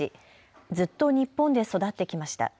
ずっと日本で育ってきました。